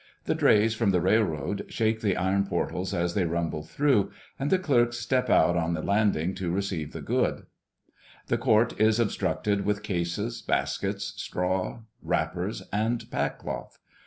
The drays from the railroad shake the iron portals as they rumble through, and the clerks step out on the landing to receive the goods. The court is obstructed with cases, baskets, straw, wrappers, and pack cloth.